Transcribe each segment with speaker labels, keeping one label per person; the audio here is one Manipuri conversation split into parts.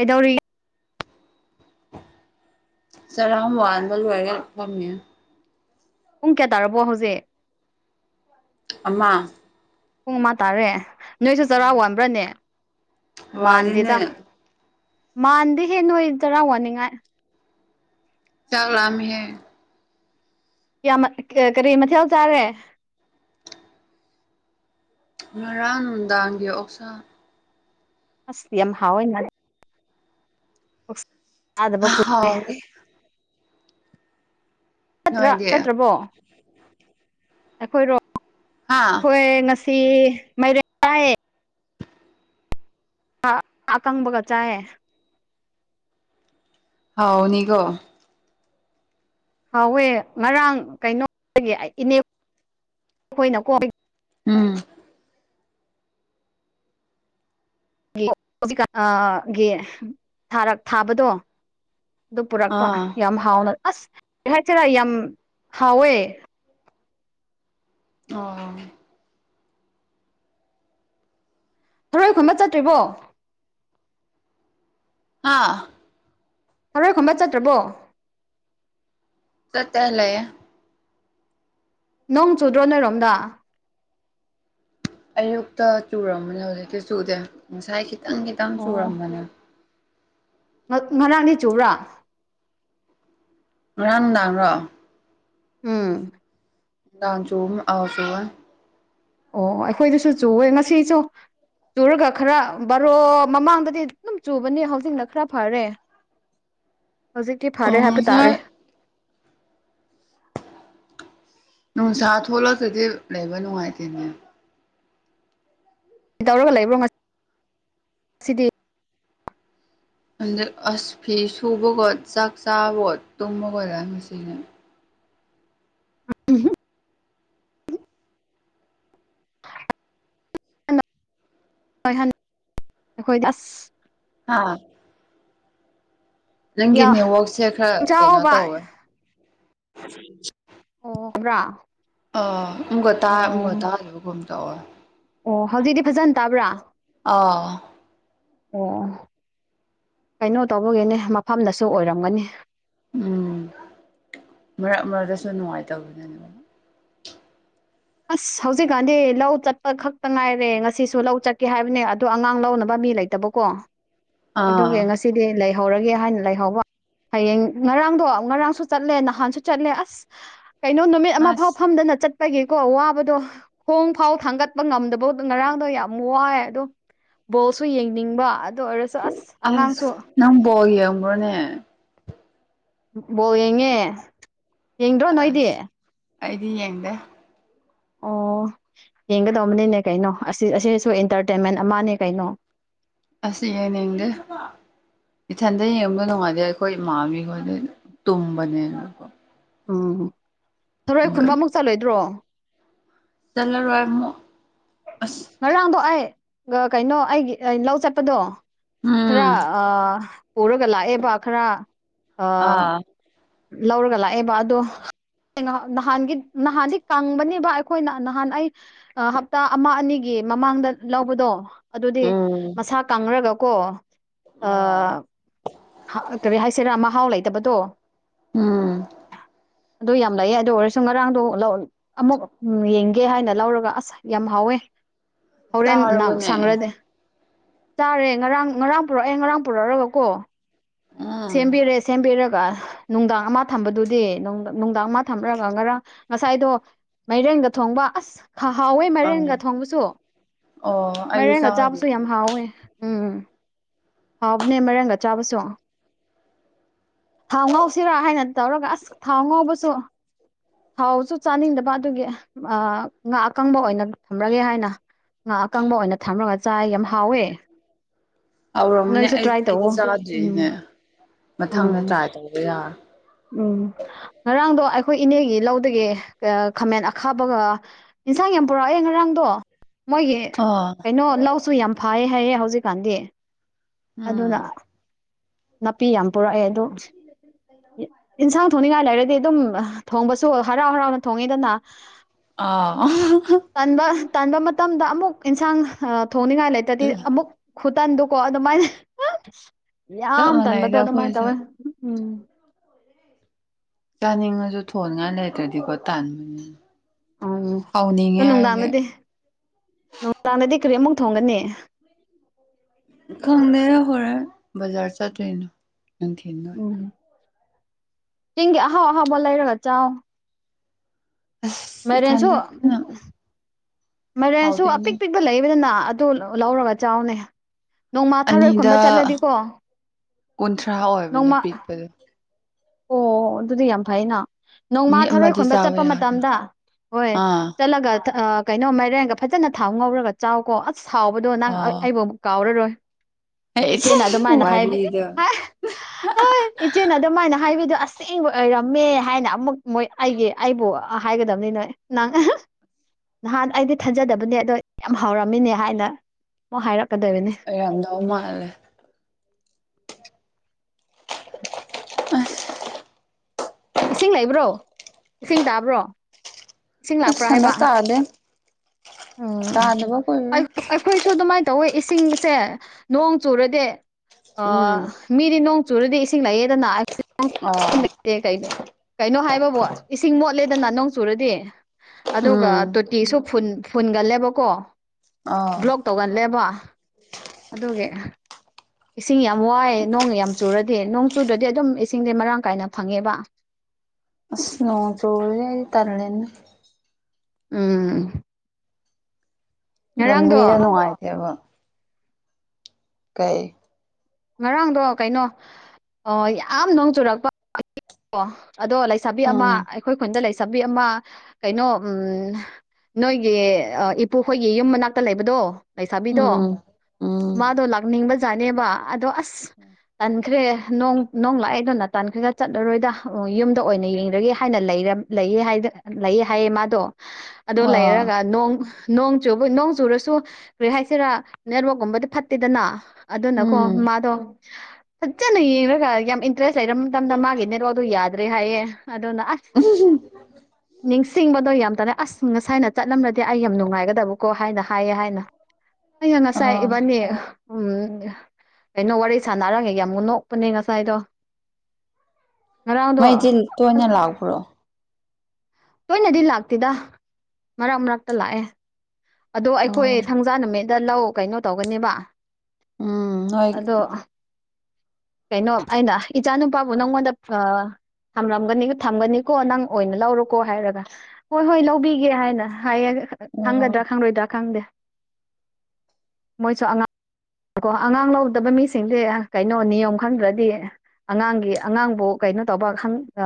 Speaker 1: ꯀꯩꯗꯧꯔꯤ
Speaker 2: ꯆꯔꯥ ꯋꯥꯟꯕ ꯂꯣꯏꯔꯦ ꯐꯝꯃꯤꯌꯦ
Speaker 1: ꯄꯨꯡ ꯀ꯭ꯌꯥ ꯇꯥꯔꯕꯣ ꯍꯧꯖꯤꯛ
Speaker 2: ꯑꯃ
Speaker 1: ꯄꯨꯡ ꯑꯃ ꯇꯥꯔꯦ ꯅꯣꯏꯁꯨ ꯆꯔꯥ ꯋꯥꯟꯕ꯭ꯔꯅꯦ
Speaker 2: ꯋꯥꯠꯂꯤꯅꯦ
Speaker 1: ꯃꯥꯟꯗꯦꯗ ꯃꯥꯟꯗꯦ ꯍꯦ ꯅꯣꯏ ꯆꯔꯥ ꯋꯥꯅꯤꯡꯉꯥꯏ
Speaker 2: ꯆꯥꯛ ꯂꯥꯃꯤ ꯍꯦ
Speaker 1: ꯀ꯭ꯌꯥꯃ ꯀꯔꯤ ꯃꯊꯦꯜ ꯆꯥꯔꯦ
Speaker 2: ꯉꯔꯥꯡ ꯅꯨꯡꯗꯥꯡꯒꯤ ꯑꯣꯛꯁꯥ
Speaker 1: ꯑꯁ ꯌꯥꯝ ꯍꯥꯎꯋꯦꯅ ꯎꯁ ꯆꯥꯗꯕ ꯀꯨꯏ
Speaker 2: ꯍꯥꯎꯋꯦ
Speaker 1: ꯆꯠꯇ꯭ꯔꯥ
Speaker 2: ꯅꯣꯏꯗꯤ
Speaker 1: ꯆꯠꯇ꯭ꯔꯕꯣ ꯑꯩꯈꯣꯏꯔꯣ
Speaker 2: ꯍꯥ
Speaker 1: ꯑꯩꯈꯣꯏ ꯉꯁ ꯏ ꯃꯩꯔꯦ ꯑ ꯑꯀꯪꯕꯒ ꯆꯥꯏꯌꯦ
Speaker 2: ꯍꯥꯎꯅꯤꯒꯣ
Speaker 1: ꯍꯥꯎꯋꯦ ꯉꯔꯥꯡ ꯀꯩꯅꯣ ꯒꯤ ꯏꯅꯦ ꯈꯣꯏꯅ ꯀꯣꯏ
Speaker 2: ꯎꯝ
Speaker 1: ꯀꯣ ꯍꯧꯖꯤꯛꯀꯥꯟ ꯑ ꯒꯦ ꯊꯔꯥꯛ ꯊꯥꯕꯗꯣ ꯑꯗꯨ ꯄꯨꯔꯛꯄ
Speaker 2: ꯑꯥ
Speaker 1: ꯌꯥꯝ ꯍꯥꯎꯅ ꯑꯁ ꯀꯩ ꯍꯥꯏꯁꯤꯔꯥ ꯌꯥꯝ ꯍꯥꯎꯋꯦ
Speaker 2: ꯑꯣ
Speaker 1: ꯊꯔꯣꯏ ꯈꯨꯟꯕ ꯆꯠꯇ꯭ꯔꯤꯕꯣ
Speaker 2: ꯑꯥ
Speaker 1: ꯊꯔꯣꯏ ꯈꯣꯝꯕ ꯆꯠꯇ꯭ꯔꯕꯣ
Speaker 2: ꯆꯠꯇꯦ ꯂꯩꯌꯦ
Speaker 1: ꯅꯣꯡ ꯆꯨꯗ꯭ꯔꯣ ꯅꯣꯏꯔꯣꯝꯗ
Speaker 2: ꯑꯌꯨꯛꯇ ꯆꯨꯔꯝꯕꯅꯦ ꯍꯧꯖꯤꯛꯇꯤ ꯆꯨꯗꯦ ꯉꯁꯥꯏ ꯈꯤꯇꯪ ꯈꯤꯇꯪ ꯆꯨꯔꯝꯕꯅꯦ
Speaker 1: ꯉꯛ ꯉꯔꯥꯡꯗꯤ ꯆꯨꯕ꯭ꯔꯥ
Speaker 2: ꯉꯔꯥꯡ ꯅꯨꯡꯗꯥꯥꯡꯔꯣ
Speaker 1: ꯎꯝ
Speaker 2: ꯅꯨꯡꯗꯥꯡ ꯆꯨꯕ꯭ꯔ ꯑꯧ‌ ꯆꯨꯕꯅꯦ
Speaker 1: ꯑꯣ ꯑꯩꯈꯣꯏꯗꯁꯨ ꯆꯨꯋꯦ ꯉꯁꯤꯁꯨ ꯆꯨꯔꯒ ꯈꯔ ꯕꯥꯔꯣ ꯃꯃꯥꯡꯗꯗꯤ ꯑꯗꯨꯝ ꯆꯨꯕꯅꯤ ꯍꯧꯖꯤꯛꯅ ꯈꯔ ꯐꯔꯦ
Speaker 2: [inaudible]
Speaker 1: ꯍꯧꯖꯤꯛꯇꯤ
Speaker 2: ꯑꯣ
Speaker 1: ꯐꯔꯦ ꯍꯥꯏꯕ
Speaker 2: ꯉꯁꯥꯏ
Speaker 1: ꯇꯥꯔꯦ
Speaker 2: ꯅꯨꯡꯁꯥ ꯊꯣꯛꯂꯛꯇꯗꯤ ꯂꯩꯕ ꯅꯨꯡꯉꯥꯏꯇꯦꯅꯦ
Speaker 1: ꯀꯩ ꯇꯧꯔꯒ ꯂꯩꯕ꯭ꯔꯣ ꯉ ꯁꯤꯗꯤ
Speaker 2: ꯑꯟꯗꯛ ꯑꯁ ꯐꯤꯁꯨꯕꯒ ꯆꯥꯛ ꯆꯥꯕꯒ ꯇꯨꯝꯃꯒ ꯂꯩꯌꯦ ꯉꯁꯤꯅꯦ
Speaker 1: ꯎꯝ ꯍꯨꯝ ꯍꯣꯏ ꯍꯟ ꯑꯩꯈꯣꯏꯗꯤ ꯑꯁ
Speaker 2: ꯍꯥꯥ ꯅꯪꯒꯤ
Speaker 1: ꯌꯥ
Speaker 2: ꯅꯦꯠꯋꯥꯔꯛꯁꯦ ꯈꯔ ꯀꯩꯅꯣ
Speaker 1: ꯆꯥꯎꯕ
Speaker 2: ꯇꯧꯋꯦ
Speaker 1: ꯑꯣꯕ꯭ꯔꯥ
Speaker 2: ꯑ ꯑꯃꯨꯒ ꯇ ꯑꯃꯨꯛꯒ ꯇꯥꯗꯕꯒꯨꯝ ꯇꯧꯋꯦ
Speaker 1: ꯑꯣ ꯍꯧꯖꯤꯛꯇꯤ ꯐꯖꯅ ꯇꯥꯕ꯭ꯔꯥ
Speaker 2: ꯑꯧ
Speaker 1: ꯑꯣ ꯀꯩꯅꯣ ꯇꯧꯕꯒꯤꯅꯦ ꯃꯐꯝꯅꯁꯨ ꯑꯣꯏꯔꯝꯒꯅꯤ
Speaker 2: ꯎꯝ ꯃꯔꯛ ꯃꯔꯛꯇꯁꯨ ꯅꯨꯡꯉꯥꯏꯇꯕꯗꯨꯅꯦꯕ
Speaker 1: ꯑꯁ ꯍꯧꯖꯤꯛꯀꯥꯟꯗꯤ ꯂꯧ ꯆꯠꯄ ꯈꯛꯇ ꯉꯥꯏꯔꯦ ꯉꯁꯤꯁꯨ ꯂꯧ ꯆꯠꯀꯦ ꯍꯥꯏꯕꯅꯦ ꯑꯗꯨ ꯑꯉꯥꯡ ꯂꯧꯅꯕ ꯃꯤ ꯂꯩ ꯇꯕꯀꯣ
Speaker 2: [inaudible]
Speaker 1: ꯑꯗꯨꯒꯤ ꯉꯁꯤꯗꯤ ꯂꯩꯍꯧꯔꯒꯦ ꯍꯥꯏꯅ ꯂꯩꯍꯧꯕ ꯍꯌꯦꯡ ꯉꯔꯥꯡꯗꯣ ꯉꯔꯥꯡꯁꯨ ꯆꯠꯂꯦ ꯅꯍꯥꯟꯁꯨ ꯆꯠꯂꯦ ꯑꯁ ꯀꯩꯅꯣ ꯅꯨꯃꯤꯠ ꯑꯃ ꯐꯥꯎ
Speaker 2: ꯑꯁ
Speaker 1: ꯐꯝꯗꯅ ꯆꯠꯄꯒꯤ ꯀꯣ ꯋꯥꯕꯗꯣ ꯈꯣꯡ ꯐꯥꯎ ꯊꯥꯡꯒꯠꯄ ꯉꯝꯗꯕꯣ ꯉꯔꯥꯡꯗꯣ ꯌꯥꯝ ꯋꯥꯌꯦ ꯑꯗꯣ ꯕꯣꯜꯁꯨ ꯌꯦꯡꯅꯤꯡꯕ ꯑꯗꯨ ꯑꯣꯏꯔ
Speaker 2: ꯑꯁ ꯅꯪ ꯕꯣꯜ ꯌꯦꯡꯕ꯭ꯔꯣꯅꯦ
Speaker 1: ꯕꯣꯜ ꯌꯦꯡꯉꯦ ꯌꯦꯡꯗ꯭ꯔꯣ ꯅꯣꯏꯗꯤ
Speaker 2: ꯑꯁ ꯑꯩꯗꯤ ꯌꯦꯡꯗꯦ
Speaker 1: ꯑꯣ ꯌꯦꯡꯒꯗꯧꯕꯅꯤꯅꯦ ꯀꯩꯅꯣ ꯑꯁꯤ ꯑꯁꯤꯁꯨ ꯏꯟꯇꯔꯇꯦꯟꯃꯦꯟ ꯑꯃꯅꯦ ꯀꯩꯅꯣ
Speaker 2: ꯑꯁ ꯌꯦꯡꯅꯤꯡꯗꯦ ꯏꯊꯟꯗ ꯌꯦꯡꯕ ꯅꯨꯡꯉꯥꯏꯇꯦ ꯑꯩꯈꯣꯏ ꯃꯥꯝꯃꯤ ꯈꯣꯏꯗꯩ ꯇꯨꯝꯕꯅꯤꯅꯀꯣ
Speaker 1: ꯎꯝ ꯊꯔꯣꯏ ꯈꯨꯟꯕ ꯑꯃꯨꯛ ꯆꯠꯂꯣꯏꯗ꯭ꯔꯣ
Speaker 2: ꯆꯠꯂꯔꯣꯏ ꯑꯃꯨꯛ ꯑꯁ
Speaker 1: ꯉꯔꯥꯡꯗꯣ ꯑꯩꯒ ꯀꯩꯅꯣ ꯑꯩꯒꯤ ꯑꯥ ꯂꯧ ꯆꯠꯄꯗꯣ ꯈꯔ
Speaker 2: ꯎꯝ
Speaker 1: ꯑꯥ ꯄꯨꯔꯒ ꯂꯥꯛꯑꯦꯕ ꯈꯔ ꯑꯥ ꯂꯧꯔꯒ ꯂꯥꯛꯑꯦꯕ ꯑꯗꯣ ꯅꯍꯥꯟꯒꯤ ꯅꯍꯥꯟꯗꯤ ꯀꯪꯕꯅꯤꯕ ꯑꯩꯈꯣꯏꯅ ꯅꯍꯥꯟ ꯑꯩ ꯑꯥ ꯍꯞꯇꯥ ꯑꯃ ꯑꯅꯤꯒꯤ ꯃꯃꯥꯡꯗ ꯂꯧꯕꯗꯣ ꯑꯗꯨꯗꯤ
Speaker 2: ꯎꯝ
Speaker 1: ꯃꯁꯥ ꯀꯪꯔꯒꯀꯣ ꯑꯥ
Speaker 2: ꯑꯣ
Speaker 1: ꯍꯥ ꯀꯔꯤ ꯍꯥꯏꯁꯤꯔꯥ ꯃꯍꯥꯎ ꯂꯩꯇꯕꯗꯣ
Speaker 2: ꯎꯝ
Speaker 1: ꯑꯗꯨ ꯌꯥꯝ ꯂꯩꯌꯦ ꯑꯗꯨ ꯑꯣꯏꯔꯁꯨ ꯉꯔꯥꯡꯗꯣ ꯂꯧ ꯑꯃꯨꯛ ꯎꯝ ꯌꯦꯡꯒꯦ ꯍꯥꯏꯅ ꯂꯧꯔꯒ ꯑꯁ ꯌꯥꯝ ꯍꯥꯎꯋꯦ ꯍꯣꯔꯦꯟ ꯅꯪ
Speaker 2: ꯆꯥꯔꯕꯅꯦ
Speaker 1: ꯁꯪꯔꯗꯤ ꯆꯥꯔꯦ ꯉꯔꯥꯡ ꯉꯔꯥꯡ ꯄꯨꯔꯛꯑꯦ ꯉꯔꯥꯡ ꯄꯨꯔꯛꯑꯒꯀꯣ
Speaker 2: ꯎꯝ
Speaker 1: ꯁꯦꯝꯕꯤꯔꯦ ꯁꯦꯝꯕꯤꯔꯒ ꯅꯨꯡꯗꯥꯡ ꯑꯃ ꯊꯝꯕꯗꯨꯗꯤ ꯅꯨꯡꯗꯥꯡ ꯑꯃ ꯊꯝꯔꯒ ꯉꯔꯥꯡ ꯁꯥꯏꯗꯣ ꯃꯩꯔꯦꯡꯒ ꯊꯣꯡꯕ ꯑꯁ ꯍꯥ ꯍꯥꯎꯋꯦ
Speaker 2: ꯑꯪ
Speaker 1: ꯃꯥꯏꯔꯦꯟꯒ ꯊꯣꯡꯕꯁꯨ
Speaker 2: ꯑꯣ ꯑꯩꯗꯤ
Speaker 1: ꯃꯥꯏꯔꯦꯟꯒ ꯆꯥꯕꯁꯨ ꯌꯥꯝ
Speaker 2: ꯆꯥꯗ꯭ꯔꯤꯅꯦ
Speaker 1: ꯍꯥꯎꯋꯦ ꯎꯝ ꯍꯥꯎꯕꯅꯦ ꯃꯥꯏꯔꯦꯟꯒ ꯆꯥꯕꯁꯨ ꯊꯥꯎ ꯉꯧꯁꯤꯔ ꯍꯥꯏꯅ ꯇꯧꯔꯒ ꯑꯁ ꯊꯥꯎ ꯉꯧꯕꯁꯨ ꯊꯥꯎꯁꯨ ꯆꯥꯅꯤꯡꯗꯕ ꯑꯗꯨꯒꯤ ꯑꯥ ꯉꯥ ꯑꯀꯪꯕ ꯑꯣꯏꯅ ꯊꯝꯔꯒꯦ ꯍꯥꯏꯅ ꯉꯥ ꯑꯀꯪꯕ ꯑꯣꯏꯅ ꯊꯝꯔꯒ ꯆꯥꯏ ꯌꯥꯝ ꯍꯥꯎꯋꯦ
Speaker 2: ꯍꯥꯎꯔꯝꯃꯅꯤ
Speaker 1: ꯅꯣꯏꯁꯨ
Speaker 2: ꯑꯩ
Speaker 1: ꯇ꯭ꯔꯥꯏ
Speaker 2: ꯑꯩꯗꯤ
Speaker 1: ꯇꯧꯋꯣ
Speaker 2: ꯆꯥꯗ꯭ꯔꯤꯅꯦ
Speaker 1: ꯎꯝ
Speaker 2: ꯃꯊꯪꯗ
Speaker 1: ꯎꯝ
Speaker 2: ꯇ꯭ꯔꯥꯏ ꯇꯧꯕ ꯌꯥ
Speaker 1: ꯎꯝ ꯉꯔꯥꯡꯗꯣ ꯑꯩꯈꯣꯏ ꯏꯅꯦꯒꯤ ꯂꯧꯗꯒꯤ ꯑꯥ ꯈꯥꯃꯦꯟ ꯑꯈꯥꯕꯒ ꯏꯟꯁꯥꯡ ꯌꯥꯝ ꯄꯨꯔꯛꯑꯦ ꯉꯔꯥꯡꯗꯣ ꯃꯣꯏꯒꯤ
Speaker 2: ꯑꯣ
Speaker 1: ꯀꯩꯅꯣ ꯂꯧꯁꯨ ꯌꯥꯝ ꯐꯩ ꯍꯥꯏꯌꯦ ꯍꯧꯖꯤꯛꯀꯥꯟꯗꯤ ꯑꯗꯨꯅ
Speaker 2: ꯎꯝ
Speaker 1: ꯅꯥꯄꯤ ꯌꯥꯝ ꯄꯨꯔꯛꯑꯦ ꯑꯗꯣ ꯏꯟꯁꯥꯡ ꯊꯣꯡꯅꯤꯡꯉꯥꯏ ꯂꯩꯔꯗꯤ ꯑꯗꯨꯝ ꯊꯣꯡꯕꯁꯨ ꯍꯔꯥꯎ ꯍꯔꯥꯎꯅ ꯊꯣꯡꯉꯦꯗꯅ
Speaker 2: [unintelligible]
Speaker 1: ꯇꯟꯕ ꯇꯟꯕ ꯃꯇꯝꯗ ꯑꯃꯨꯛ ꯏꯟꯁꯥꯡ ꯊꯣꯡꯅꯤꯡꯉꯥꯏ ꯂꯩꯇꯗꯤ ꯑꯃꯨꯛ ꯈꯨꯇꯟꯗꯨꯀꯣ ꯑꯗꯨꯃꯥꯏꯅ
Speaker 2: ꯆꯞ
Speaker 1: ꯌꯥꯝ ꯇꯟꯕꯗꯣ
Speaker 2: ꯃꯥꯟꯅꯩꯗ
Speaker 1: ꯑꯗꯨꯃꯥꯏꯅ
Speaker 2: ꯑꯩꯈꯣꯏꯁꯨ
Speaker 1: ꯇꯧꯋꯦ ꯎꯝ
Speaker 2: ꯆꯥꯅꯤꯡꯉꯁꯨ ꯊꯣꯟꯅꯤꯉꯥꯏ ꯂꯩꯇ꯭ꯔꯗꯤꯀꯣ ꯇꯟꯕꯅꯤ
Speaker 1: ꯑꯣ ꯅꯨꯡꯗꯥꯡꯗꯗꯤ ꯅꯨꯡꯗꯥꯡꯗꯗꯤ ꯀꯔꯤ ꯑꯃꯨꯛ ꯊꯣꯡꯒꯅꯤ
Speaker 2: ꯈꯪꯗꯦꯗ ꯍꯣꯔꯦꯟ ꯕꯖꯥꯔ ꯆꯠꯇꯣꯏꯅꯤ ꯅꯨꯡꯊꯤꯟ
Speaker 1: ꯆꯤꯡꯒꯤ ꯑꯍꯥꯎ ꯑꯍꯥꯎꯕ ꯂꯩꯔꯒ ꯆꯥꯎ
Speaker 2: ꯑꯁ
Speaker 1: ꯃꯥꯏꯔꯦꯟꯁꯨ
Speaker 2: ꯏꯊꯟꯗꯅꯤꯅ
Speaker 1: ꯃꯥꯏꯔꯦꯟꯁꯨ
Speaker 2: ꯍꯥꯎꯗꯣꯏꯅꯤ
Speaker 1: ꯑꯄꯤꯛ ꯄꯤꯛꯄ ꯂꯩꯕꯅꯤꯅ ꯑꯗꯨ ꯂꯧꯔꯒ ꯆꯥꯎꯅꯦ ꯅꯣꯡꯃꯥ ꯊꯥꯔꯣꯏ
Speaker 2: ꯑꯅꯤꯗ
Speaker 1: ꯈꯟꯕ ꯆꯠꯂꯗꯤꯀꯣ
Speaker 2: ꯀꯨꯟꯊ꯭ꯔꯥ ꯑꯣꯏꯕꯅꯦ
Speaker 1: ꯅꯣꯡꯃꯥ
Speaker 2: ꯄꯤꯛꯄꯗꯣ
Speaker 1: ꯑꯣ ꯑꯗꯨꯗꯤ ꯌꯥꯝ ꯐꯩꯅ ꯅꯣꯡꯃꯥ
Speaker 2: ꯃꯤ
Speaker 1: ꯊꯔꯣꯏ
Speaker 2: ꯑꯃꯗꯤ
Speaker 1: ꯈꯨꯟꯕ
Speaker 2: ꯆꯥꯕ
Speaker 1: ꯆꯠꯄ
Speaker 2: ꯌꯥꯔꯣꯏ
Speaker 1: ꯃꯇꯝꯗ ꯍꯣꯏ
Speaker 2: ꯑꯥ
Speaker 1: ꯆꯠꯂꯒ ꯑꯥ ꯀꯩꯅꯣ ꯃꯥꯏꯔꯦꯟꯒ ꯐꯖꯅ ꯊꯥꯎ ꯉꯧꯔꯒ ꯆꯥꯎꯀꯣ ꯑꯁ ꯍꯥꯎꯕꯗꯣ ꯅꯪ
Speaker 2: ꯑꯣ
Speaker 1: ꯑꯩꯕꯨ ꯑꯃꯨꯛ ꯀꯥꯎꯔꯔꯣꯏ
Speaker 2: ꯑꯩ
Speaker 1: ꯏꯆꯦꯅ ꯑꯗꯨꯃꯥꯏꯅ ꯍꯥꯏꯕꯤ
Speaker 2: ꯋꯥꯔꯤꯗꯣ
Speaker 1: ꯍꯥꯏ ꯏꯆꯦꯅ ꯑꯗꯨꯃꯥꯏꯅ ꯍꯥꯏꯕꯤꯗꯣ ꯑꯁꯦꯡꯕ ꯑꯣꯏꯔꯝꯃꯦ ꯍꯥꯏꯅ ꯑꯃꯨꯛ ꯃꯣꯏ ꯑꯩꯒꯤ ꯑꯩꯕꯨ ꯍꯥꯏꯒꯗꯕꯅꯤ ꯅꯣꯏ ꯅꯪ ꯅꯍꯥꯟ ꯑꯩꯗꯤ ꯊꯖꯗꯕꯅꯦ ꯑꯗꯣ ꯌꯥꯝ ꯍꯥꯎꯔꯝꯃꯤꯅꯦ ꯍꯥꯏꯅ ꯑꯃꯛ ꯍꯥꯏꯔꯛꯀꯗꯣꯏꯕꯅꯤ
Speaker 2: ꯑꯣꯏꯔꯝꯗꯧ ꯃꯥꯜꯂꯦ ꯑꯁ
Speaker 1: ꯏꯁꯤꯡ ꯂꯩꯕ꯭ꯔꯣ ꯏꯁꯤꯡ ꯇꯥꯕ꯭ꯔꯣ ꯏꯁꯤꯡ
Speaker 2: ꯑꯁ
Speaker 1: ꯂꯥꯛꯄ꯭ꯔꯥ ꯍꯥꯏꯕ
Speaker 2: ꯍꯟꯗꯛ ꯇꯥꯗꯦ
Speaker 1: ꯑꯣ
Speaker 2: ꯇꯥꯗꯕ
Speaker 1: ꯑꯩ
Speaker 2: ꯀꯨꯏꯔꯦ
Speaker 1: ꯑꯩꯈꯣꯏꯁꯨ ꯗꯨꯃꯥꯏ ꯇꯧꯋꯦ ꯏꯁꯤꯡꯁꯦ ꯅꯣꯡ ꯆꯨꯔꯗꯤ ꯑꯥ
Speaker 2: ꯎꯝ
Speaker 1: ꯃꯤꯗꯤ ꯅꯣꯡ ꯆꯨꯔꯗꯤ ꯏꯁꯤꯡ ꯂꯩꯌꯦꯗꯅꯥ
Speaker 2: ꯑꯥ
Speaker 1: [unintelligible] ꯀꯩꯅꯣ ꯍꯥꯏꯕꯕꯣ ꯏꯁꯤꯡ ꯃꯣꯠꯂꯦꯗꯅ ꯅꯣꯡ ꯆꯨꯔꯗꯤ ꯑꯗꯨꯒ
Speaker 2: ꯎꯝ
Speaker 1: ꯇꯣꯇꯤꯁꯨ ꯐꯨꯟ ꯐꯨꯟꯒꯜꯂꯦꯕꯀꯣ
Speaker 2: ꯑꯥ
Speaker 1: ꯕ꯭ꯂꯣꯛ ꯇꯧꯒꯜꯂꯦꯕ ꯑꯗꯨꯒꯤ ꯏꯁꯤꯡ ꯌꯥꯝ ꯋꯥꯏꯌꯦ ꯅꯣꯡ ꯌꯥꯝ ꯆꯨꯔꯗꯤ ꯅꯣꯡ ꯆꯨꯗ꯭ꯔꯗꯤ ꯑꯗꯨꯝ ꯏꯁꯤꯡꯖꯦ ꯃꯔꯥꯡ ꯀꯥꯏꯅ ꯐꯪꯉꯦꯕ
Speaker 2: ꯑꯁ ꯅꯣꯡ ꯆꯨꯔꯗꯤ ꯑꯩꯗꯤ ꯇꯜꯂꯦꯅꯦ
Speaker 1: ꯎꯝ ꯉꯔꯥꯡꯗꯣ
Speaker 2: ꯂꯝꯕꯤꯗ ꯅꯨꯡꯉꯥꯏꯇꯦꯕ ꯀꯩ
Speaker 1: ꯉꯔꯥꯡꯗꯣ ꯀꯩꯅꯣ ꯑꯥ ꯌꯥꯝ ꯅꯣꯡ ꯆꯨꯔꯛꯄ ꯑꯗꯣ ꯂꯩꯁꯥꯕꯤ ꯑꯃ
Speaker 2: ꯎꯝ
Speaker 1: ꯑꯩꯈꯣꯏ ꯈꯨꯟꯗ ꯂꯩ ꯁꯥꯕꯤ ꯑꯃ ꯀꯩꯅꯣ ꯎꯝ ꯅꯣꯏꯒꯤ ꯑ ꯏꯄꯨꯈꯣꯏꯒꯤ ꯌꯨꯝ ꯃꯅꯥꯛꯇ ꯂꯩꯕꯗꯣ ꯂꯩꯁꯥꯕꯤꯗꯣ
Speaker 2: ꯎꯝ ꯎꯝ
Speaker 1: ꯃꯥꯗꯣ ꯂꯥꯛꯅꯤꯡꯕꯖꯥꯠꯅꯦꯕ ꯑꯗꯣ ꯑꯁ
Speaker 2: [unintelligible]
Speaker 1: ꯇꯟꯈ꯭ꯔꯦ ꯅꯣꯡ ꯅꯣꯡ ꯂꯥꯛꯑ ꯗꯨꯅ ꯇꯟꯈ꯭ꯔꯒ ꯆꯠꯂꯔꯣꯏꯗ ꯑꯣ ꯌꯨꯝꯗ ꯑꯣꯏꯅ ꯌꯦꯡꯔꯒꯦ ꯍꯥꯏꯅ ꯂꯩꯔꯝ ꯂꯩꯌꯦ ꯍꯥꯏꯗ ꯂꯩꯌꯦ ꯍꯥꯏꯌꯦ ꯃꯥꯗꯣ
Speaker 2: [inaudible]
Speaker 1: ꯑꯗꯣ ꯂꯩꯔꯒ ꯅꯣꯡ ꯅꯣꯡ ꯆꯨꯕ ꯅꯣꯡ ꯆꯨꯔꯁꯨ ꯀꯔꯤ ꯍꯥꯏꯁꯤꯔꯥ ꯅꯦꯠꯋꯛꯀꯨꯝꯕꯗꯤ ꯐꯠꯇꯦꯗꯅ ꯑ ꯀꯣ
Speaker 2: ꯎꯝ
Speaker 1: ꯃꯥꯗꯣ ꯐꯖꯅ ꯌꯦꯡꯔꯒ ꯌꯥꯝ ꯏꯟꯇꯔꯦꯁ ꯂꯩꯔ ꯃꯇꯝꯗ ꯃꯥꯒꯤ ꯅꯦꯠꯋꯥꯛ ꯇꯣ ꯌꯥ ꯗ꯭ꯔꯦ ꯍꯥꯏꯌꯦ ꯑꯗꯨꯅ ꯑꯁ ꯅꯤꯡꯁ ꯆꯤꯡꯕꯗꯣ ꯌꯥꯝ ꯇꯧꯅꯦ ꯑꯁ ꯉꯁꯥꯏꯅ ꯆꯠꯂꯝꯔꯗꯤ ꯑꯩ ꯌꯥꯝ ꯅꯨꯡꯉꯥꯏꯒꯗꯕꯀꯣ ꯍꯥꯏꯅ ꯍꯥꯏꯌꯦ ꯍꯥꯏ ꯅ ꯑꯩꯅ ꯉꯁꯥꯏ
Speaker 2: ꯑꯥ
Speaker 1: ꯏꯕꯥꯅꯤ ꯎꯝ ꯀꯩꯅꯣ ꯋꯥꯔꯤ ꯁꯥꯟꯅꯔꯒ ꯌꯥꯝ ꯅꯣꯛꯄꯅꯦ ꯉꯁꯥꯏꯗꯣ ꯉꯔꯥꯡꯗꯣ
Speaker 2: ꯃꯩꯗꯤ ꯇꯣꯏꯅ ꯂꯥꯛꯄ꯭ꯔꯣ
Speaker 1: ꯇꯣꯏꯅꯗꯤ ꯂꯥꯛꯇꯦꯗ ꯃꯔꯛ ꯃꯔꯛꯇ ꯂꯥꯛꯑꯦ ꯑꯗꯣ ꯑꯩꯈꯣꯏ
Speaker 2: ꯑꯣ
Speaker 1: ꯊꯥꯡꯖ ꯅꯨꯃꯤꯠꯗ ꯂꯧ ꯀꯩꯅꯣ ꯇꯧꯒꯅꯤꯕ
Speaker 2: ꯎꯝ ꯅꯣꯏ
Speaker 1: ꯑꯗꯣ ꯀꯩꯅꯣ ꯑꯩꯅ ꯏꯆꯥ ꯅꯨꯄꯥꯕꯨ ꯅꯉꯣꯟꯗ ꯑ ꯊꯝꯔꯝꯒꯅꯤ ꯊꯝꯒꯅꯤꯀꯣ ꯅꯪ ꯑꯣꯏꯅ ꯂꯧꯔꯣꯀꯣ ꯍꯥꯏꯔꯒ ꯍꯣꯏ ꯍꯣꯏ ꯂꯧꯕꯤꯒꯦ ꯍꯥꯏꯅ ꯍꯥꯏꯌꯦ
Speaker 2: ꯑꯣ
Speaker 1: ꯈꯪꯒꯗ꯭ꯔꯥ ꯈꯪꯪꯂꯣꯏꯗ꯭ꯔꯥ ꯈꯪꯗꯦ ꯃꯣꯏꯁꯨ ꯑꯉꯥꯡ ꯀꯣ ꯑꯉꯥꯡ ꯂꯧꯗꯕ ꯃꯤꯁꯤꯡꯗꯤ ꯀꯩꯅꯣ ꯅꯤꯌꯣꯝ ꯈꯪꯗ꯭ꯔꯗꯤ ꯑꯉꯥꯡꯒꯤ ꯑꯉꯥꯡꯕꯨ ꯀꯩꯅꯣ ꯇꯧꯕ ꯈꯪ ꯑ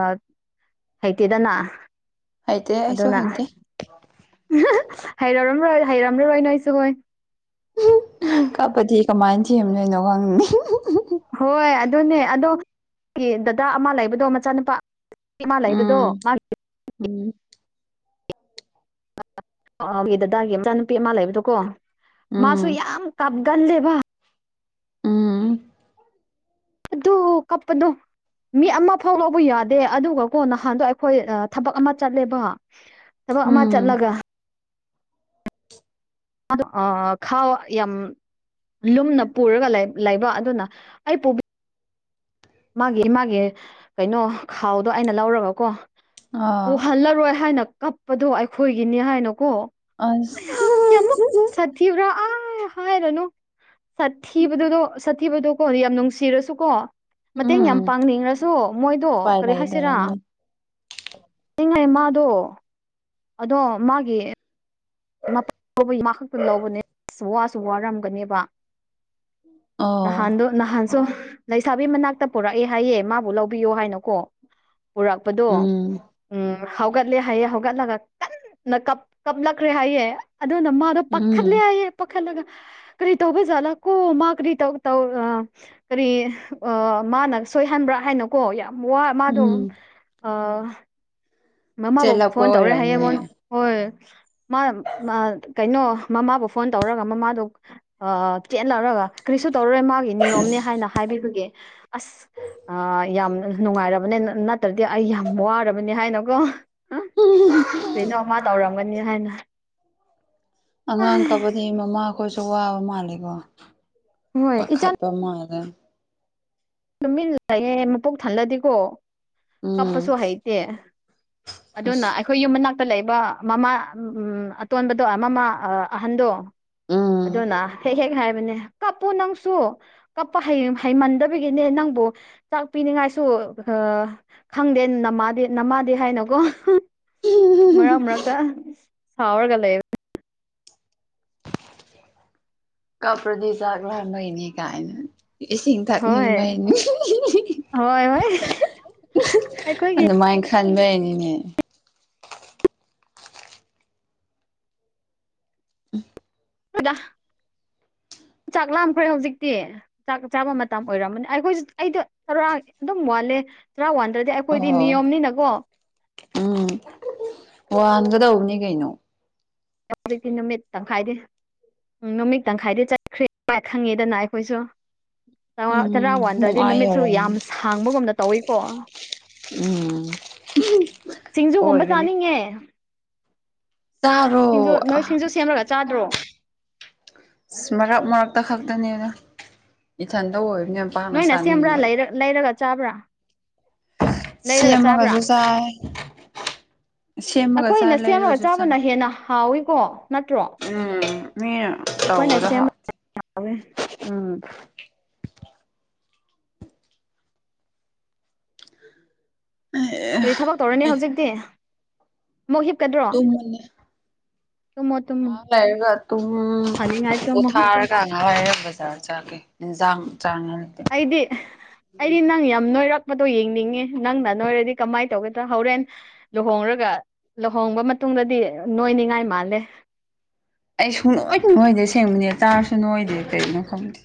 Speaker 1: ꯍꯩꯇꯦꯗꯅꯥ
Speaker 2: ꯍꯩꯇꯦ ꯑꯩꯁꯨ
Speaker 1: ꯑꯗꯨꯅ
Speaker 2: ꯍꯩꯇꯦ
Speaker 1: [unintelligible] ꯍꯩꯔꯔꯝꯔꯣꯏ ꯍꯩꯔꯝꯔꯔꯣꯏ ꯅꯣꯏ ꯁꯨ ꯍꯣꯏ
Speaker 2: ꯀꯞꯄꯗꯤ ꯀꯃꯥꯏ ꯊꯦꯝꯗꯨꯏꯅꯣ ꯈꯪ
Speaker 1: ꯍꯣꯏ ꯑꯗꯨꯅꯦ ꯑꯗꯣ ꯀꯤ ꯗꯗꯥ ꯑꯃ ꯂꯩꯕꯗꯣ ꯃꯆꯥꯅꯨꯄꯥ ꯄꯤ ꯑꯃ ꯂꯩꯕꯗꯣ
Speaker 2: ꯎꯝ
Speaker 1: ꯃꯥꯒꯤ
Speaker 2: ꯎꯝ
Speaker 1: ꯑꯥ ꯒꯤ ꯗꯗꯥꯒꯤ ꯃꯆꯥꯅꯨꯄꯤ ꯑꯃ ꯂꯩꯕꯗꯨꯀꯣ ꯃꯥꯁꯨ
Speaker 2: ꯎꯝ
Speaker 1: ꯌꯥꯝ ꯀꯞꯒꯜꯂꯦꯕ
Speaker 2: ꯎꯝ
Speaker 1: ꯗꯨ ꯀꯞꯄꯗꯣ ꯃꯤ ꯑꯃ ꯐꯥꯎ ꯂꯧꯕ ꯌꯥꯗꯦ ꯑꯗꯨꯒꯀꯣ ꯅꯍꯥꯟꯗꯣ ꯑꯩꯈꯣꯏ ꯑ ꯊꯕꯛ ꯑꯃ ꯆꯠꯂꯦꯕ ꯊꯕꯛ ꯑꯃ
Speaker 2: ꯎꯝ
Speaker 1: ꯆꯠꯂꯒ ꯑꯗꯨ ꯑꯥ ꯈꯥꯎ ꯌꯥꯝ ꯂꯨꯝꯅ ꯄꯨꯔꯒ ꯂꯩ ꯂꯩꯕ ꯑꯗꯨꯅ ꯑꯩ ꯄꯨ ꯃꯥꯒꯤ ꯃꯥꯒꯤ ꯀꯩꯅꯣ ꯈꯥꯎꯗꯣ ꯑꯩꯅ ꯂꯧꯔꯒꯀꯣ
Speaker 2: ꯑꯥ
Speaker 1: ꯄꯨꯍꯜꯂꯔꯣꯏ ꯍꯥꯏꯅ ꯀꯞꯄꯗꯣ ꯑꯩꯈꯣꯏꯒꯤꯅꯤ ꯍꯥꯏꯅꯀꯣ
Speaker 2: ꯑꯁ
Speaker 1: ꯊꯤꯕ꯭ꯔꯥ ꯑꯥ ꯍꯥꯏꯔꯅꯨ ꯁꯥꯊꯤꯕꯗꯨꯗꯣ ꯁꯥꯊꯤꯕꯗꯣ ꯀꯣ ꯌꯥꯝ ꯅꯨꯡꯁꯤꯔꯁꯨ ꯀꯣ ꯃꯇꯦꯡ ꯌꯥꯝ
Speaker 2: ꯎꯄꯥꯏ
Speaker 1: ꯄꯥꯡꯅꯤꯡꯔꯁꯨ ꯃꯣꯏꯗꯣ ꯀꯔꯤ ꯍꯥꯏꯁꯤꯔꯥ
Speaker 2: ꯂꯩꯇꯕꯅꯤ
Speaker 1: ꯏꯪ ꯂꯦ ꯃꯥꯗꯣ ꯑꯗꯣ ꯃꯥꯒꯤ ꯇꯧꯕꯒꯤ ꯃꯥꯈꯛꯇ ꯂꯧꯕꯅꯦ ꯑꯁ ꯋꯥꯁꯨ ꯋꯥꯔꯝꯒꯅꯦꯕ ꯅꯍꯥꯟꯗꯣ
Speaker 2: ꯑꯣ
Speaker 1: ꯅꯍꯥꯟꯁꯨ ꯂꯩꯁꯥꯕꯤ ꯃꯅꯥꯛꯇ ꯄꯨꯔꯛꯑꯦ ꯍꯥꯏꯌꯦ ꯃꯥꯕꯨ ꯂꯧꯕꯤꯌꯣ ꯍꯥꯏꯅꯀꯣ ꯄꯨꯔꯛꯄꯗꯣ
Speaker 2: ꯎꯝ
Speaker 1: ꯎꯝ ꯍꯧꯒꯠꯂꯦ ꯍꯥꯏꯌꯦ ꯍꯧꯒꯠꯂꯒ ꯀꯟꯅ ꯀꯞ ꯀꯞꯂꯛꯈ꯭ꯔꯦ ꯍꯥꯏꯌꯦ ꯑꯗꯨꯅ ꯃꯥꯗꯣ ꯄꯥꯈꯠ ꯂꯦ
Speaker 2: ꯎꯝ
Speaker 1: ꯍꯥꯢꯌꯦ ꯄꯥꯈꯠꯂꯒ ꯀ꯭ꯔꯤ ꯇꯧꯕ ꯖꯥꯠꯂ ꯀꯣ ꯃꯥ ꯀ꯭ꯔꯤ ꯇꯧ ꯇꯧ ꯑꯥ ꯀꯔꯤ ꯑꯥ ꯃꯥꯅ ꯁꯣꯏꯍꯟꯕ꯭ꯔꯥ ꯍꯥꯏꯅ ꯀꯣ ꯌꯥꯝ ꯋꯥ ꯃꯥꯗꯣ
Speaker 2: ꯎꯝ
Speaker 1: ꯑꯥ ꯃꯃꯥꯕꯣꯛ
Speaker 2: ꯆꯦꯜꯂꯛꯄ
Speaker 1: ꯐꯣꯟ ꯇꯧꯔꯛꯑꯦ ꯍꯥꯏꯌꯦ ꯃꯉꯣꯟ
Speaker 2: ꯑꯣꯏꯔꯝꯅꯤꯅꯦ
Speaker 1: ꯍꯣꯏ ꯃꯥ ꯃꯥ ꯀꯩꯅꯣ ꯃꯃꯥꯕꯨ ꯐꯣꯟ ꯇꯧꯔꯒ ꯃꯃꯥꯗꯣ ꯑꯥ ꯆꯦꯟꯂꯔꯒ ꯀ꯭ꯔꯤꯁꯨ ꯇꯧꯔꯔꯣꯏ ꯃꯥꯒꯤ ꯅꯤꯌꯣꯝꯅꯦ ꯍꯥꯏꯅ ꯍꯥꯏꯕꯤꯕꯒꯤ ꯑꯁ ꯑꯥ ꯌꯥꯝ ꯅꯨꯡꯉꯥꯏꯔꯕꯅꯦ ꯅꯠ ꯅꯠꯇ꯭ꯔꯗꯤ ꯑꯩ ꯌꯥꯝ ꯋꯥꯔꯕꯅꯦ ꯍꯥꯏꯅ ꯔꯣ ꯀꯩꯅꯣꯃ ꯇꯧꯔꯝꯒꯅꯤ ꯍꯥꯏꯅ
Speaker 2: ꯑꯉꯥꯡ ꯀꯞꯄꯗꯤ ꯃꯃꯥꯈꯣꯏꯁꯨ ꯋꯥꯕ ꯃꯥꯜꯂꯦꯀꯣ
Speaker 1: ꯍꯣꯏ
Speaker 2: ꯄꯥꯈꯠ
Speaker 1: ꯏꯆꯥꯅ
Speaker 2: ꯄꯥ ꯃꯥꯜꯂꯦ
Speaker 1: ꯇꯨꯃꯤꯟ ꯂꯩꯌꯦ ꯃꯄꯨꯛ ꯊꯜꯂꯗꯤꯀꯣ ꯀꯞꯄꯁꯨ
Speaker 2: ꯎꯝ
Speaker 1: ꯍꯩꯇꯦ ꯑꯗꯨꯅ ꯑꯈꯣꯏ ꯌꯨꯝ ꯃꯅꯥꯛꯇ ꯂꯩꯕ ꯃꯃꯥ ꯎꯝ ꯑꯇꯣꯟꯕꯗꯣ ꯃꯃꯥ ꯑꯥ ꯑꯍꯟꯗꯣ
Speaker 2: ꯎꯝ
Speaker 1: ꯑꯗꯨꯅ ꯍꯦꯛ ꯍꯦꯛ ꯍꯥꯏꯕꯅꯦ ꯀꯞꯄꯣ ꯅꯪꯁꯨ ꯀꯞꯄ ꯍꯩ ꯍꯩꯃꯟꯗꯕ ꯒꯤꯅꯦ ꯅꯪꯕꯨ ꯆꯥꯛ ꯄꯤꯅꯤꯡꯉꯥꯏꯁꯨ ꯑꯥ ꯈꯪꯗꯦ ꯅꯃꯥꯗꯤ ꯅꯃꯥꯗꯤ ꯍꯥꯏꯅꯀꯣ ꯃꯔꯛ ꯃꯔꯛꯇ ꯁꯥꯔꯎꯒ ꯂꯩ
Speaker 2: ꯀꯞꯄꯗꯤ ꯆꯥꯛ ꯂꯥꯝꯕꯩꯅꯩ ꯀꯥꯏꯅ ꯏꯁꯤꯡ
Speaker 1: ꯍꯣꯏ
Speaker 2: ꯊꯛꯅꯤꯡꯕꯩꯅꯤ
Speaker 1: ꯍꯣꯏ ꯍꯣꯏ ꯑꯩꯈꯣꯏꯒꯤ
Speaker 2: ꯑꯗꯨꯃꯥꯏ ꯈꯟꯕꯩꯅꯤꯅꯦ ꯎꯝ
Speaker 1: ꯍꯣꯏꯗ ꯆꯥꯛ ꯂꯥꯝꯈ꯭ꯔꯦ ꯍꯧꯖꯤꯛꯇꯤ ꯆꯥꯛ ꯆꯥꯕ ꯃꯇꯝ ꯑꯣꯏꯔꯝꯃꯅꯤ ꯑꯩꯈꯣꯏꯁꯨ ꯑꯩꯗꯣ ꯆꯔꯥ ꯑꯗꯨꯝ ꯋꯥꯟꯂꯦ ꯆꯔꯥ ꯋꯥꯟꯗ꯭ꯔꯗꯤ ꯑꯩꯈꯣꯏꯗꯤ
Speaker 2: ꯑꯣ
Speaker 1: ꯅꯤꯌꯣꯝꯅꯤꯅꯀꯣ
Speaker 2: ꯎꯝ ꯋꯥꯟꯒꯗꯧꯕꯅꯤ ꯀꯩꯅꯣ
Speaker 1: ꯍꯧꯖꯤꯛꯇꯤ ꯅꯨꯃꯤꯠ ꯇꯪꯈꯥꯏꯗꯤ ꯎꯝ ꯅꯨꯃꯤꯠ ꯇꯪꯈꯥꯏꯗꯤ ꯆꯠꯈ꯭ꯔꯦ ꯈꯪꯉꯦꯗꯅ ꯑꯩꯈꯣꯏꯁꯨ ꯆ ꯋꯥ ꯆꯔꯥ
Speaker 2: ꯎꯝ
Speaker 1: ꯋꯥꯟꯗ꯭ꯔꯗꯤ
Speaker 2: ꯅꯨꯡꯉꯥꯏ
Speaker 1: ꯅꯨꯃꯤꯠꯁꯨ ꯌꯥꯝ
Speaker 2: ꯌꯧꯔꯝꯅꯤ
Speaker 1: ꯁꯥꯡꯕꯒꯨꯝꯅ ꯇꯧꯋꯤꯀꯣ
Speaker 2: ꯎꯝ
Speaker 1: ꯁꯤꯡꯖꯨꯒꯨꯝꯕ
Speaker 2: ꯑꯣꯏꯕꯅꯤ
Speaker 1: ꯆꯥꯅꯤꯡꯉꯦ ꯁꯤꯡꯖꯨ
Speaker 2: ꯆꯥꯔꯣ
Speaker 1: ꯅꯣꯏ ꯁꯤꯡꯖꯨ ꯁꯦꯝꯂꯒ ꯆꯥꯗ꯭ꯔꯣ
Speaker 2: ꯑꯁ ꯃꯔꯛ ꯃꯔꯛꯇ ꯈꯛꯇꯅꯦꯗ ꯏꯊꯟꯇ ꯑꯣꯏꯕꯅꯦꯕ
Speaker 1: ꯅꯣꯏꯅ ꯁꯦꯝꯕ꯭ꯔꯥ ꯂꯩꯔ ꯂꯩꯔꯒ ꯆꯥꯕ꯭ꯔꯥ ꯂꯩꯔꯒ ꯆꯥꯕ꯭ꯔꯥ
Speaker 2: ꯁꯦꯝꯃꯒꯁꯨ ꯆꯥꯏ ꯁꯦꯝꯃꯒ ꯆꯥꯏ
Speaker 1: ꯑꯈꯣꯏꯅ ꯁꯦꯝꯔꯒ
Speaker 2: ꯂꯩꯔꯁꯨ ꯆꯥꯏ
Speaker 1: ꯆꯥꯕꯅ ꯍꯦꯟꯅ ꯍꯥꯎꯋꯤꯀꯣ ꯅꯠꯇ꯭ꯔꯣ
Speaker 2: ꯎ ꯃꯤ
Speaker 1: ꯑꯩꯈꯣꯏꯅ ꯁꯦꯝꯕ [unintelligible] ꯍꯥꯎꯋꯦ ꯎꯝ ꯀ꯭ꯔꯤ ꯊꯕꯛ ꯇꯧꯔꯅꯤ
Speaker 2: ꯑꯩ
Speaker 1: ꯍꯧꯖꯤꯛꯇꯤ ꯃꯨꯛ ꯍꯤꯞꯀꯗ꯭ꯔꯣ ꯇꯨꯝꯃꯣ ꯇꯨꯝꯃꯣ
Speaker 2: ꯉꯍꯥꯛ ꯂꯩꯔꯒ ꯇꯨꯝ
Speaker 1: ꯐꯅꯤꯡꯉꯥꯏ ꯇꯨꯝꯃꯣ
Speaker 2: ꯄꯣꯊꯥꯔ ꯇꯥꯔꯥꯉꯥ [unintelligible] ꯆꯥꯒꯦ ꯌꯦꯟꯁꯥꯡ ꯆꯥ [unintelligible]
Speaker 1: ꯑꯩꯗꯤ ꯑꯩꯗꯤ ꯅꯪ ꯌꯥꯝ ꯅꯣꯏꯔꯛ ꯄꯗꯣ ꯌꯦꯡꯅꯤꯡꯉꯦ ꯅꯪꯅ ꯅꯣꯏꯔꯗꯤ ꯀꯃꯥꯏꯅ ꯇꯧꯒꯗ꯭ꯔꯥ ꯍꯣꯔꯦꯟ ꯂꯨꯍꯣꯡꯔꯒ ꯂꯨꯍꯣꯡꯕ ꯃꯇꯨꯡꯗꯗꯤ ꯅꯣꯏꯅꯤꯡꯉꯥꯏ ꯃꯥꯜꯂꯦ
Speaker 2: ꯑꯩ ꯁꯨꯡꯅꯣꯏꯕꯨ ꯅꯣꯏꯗꯦ ꯁꯦꯡꯕꯅꯦ ꯆꯥꯔꯁꯨ ꯅꯣꯏꯗꯦ ꯀꯔꯤꯒꯤꯅꯣ ꯈꯪꯗꯦ